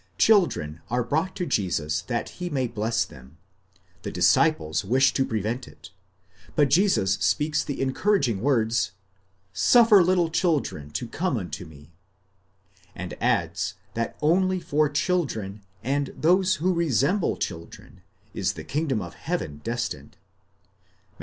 Children are brought to Jesus that he may bless them; the disciples wish to prevent it, but Jesus speaks the encouraging words, Suffer little chil dren to come unto me, and adds that only for children, and those who resemble children, is the kingdom of heaven destined (Matt.